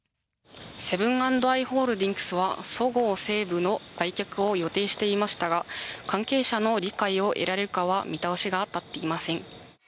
セブン＆アイ・ホールディングスはそごう・西武の売却を予定していましたが関係者の理解を得られるかは見通しが立っていません。